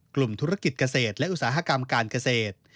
กลุ่มธุรกิจเกษตรและอุตสาหกรรมการเกษตร